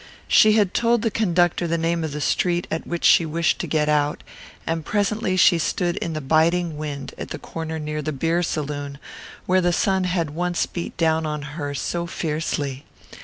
She had told the conductor the name of the street at which she wished to get out, and presently she stood in the biting wind at the corner near the beer saloon, where the sun had once beat down on her so fiercely.